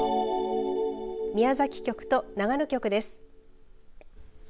宮崎局と長野局です。